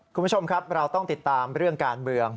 คุณผู้ชมครับเราต้องติดตามเรื่องการเมือง